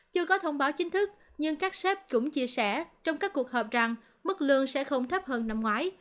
chưa có thông báo chính thức nhưng các shep cũng chia sẻ trong các cuộc họp rằng mức lương sẽ không thấp hơn năm ngoái